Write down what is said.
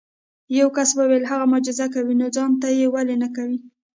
یو کس وویل که معجزه کوي نو ځان ته یې ولې نه کوې.